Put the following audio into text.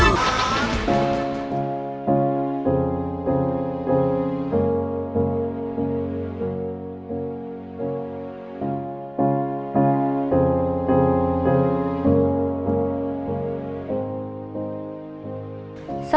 คือร้องได้ให้ร้อง